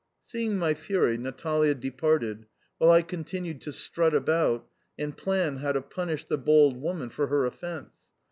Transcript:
Seeing my fury, Natalia departed, while I continued to strut about and plan how to punish the bold woman for her offence.